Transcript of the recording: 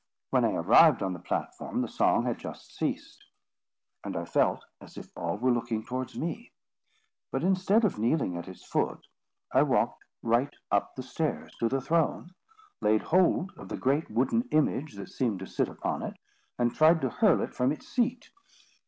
When I arrived on the platform, the song had just ceased, and I felt as if all were looking towards me. But instead of kneeling at its foot, I walked right up the stairs to the throne, laid hold of a great wooden image that seemed to sit upon it, and tried to hurl it from its seat.